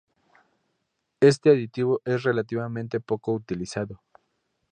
Este aditivo es relativamente poco utilizado.